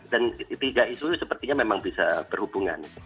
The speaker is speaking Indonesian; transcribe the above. dan tiga isu sepertinya memang bisa berhubungan